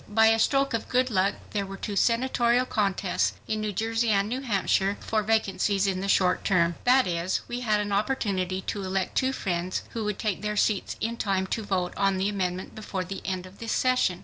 By a stroke of good luck there were two senatorial contests—in New Jersey and New Hampshire—for vacancies in the short term. That is, we had an opportunity to elect two friends who would take their seats in time to vote on the amendment before the end of this session.